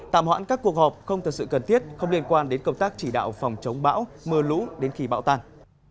tạm hoãn các cuộc họp không thật sự cần thiết không liên quan đến công tác chỉ đạo phòng chống bão mưa lũ đến khi bão tan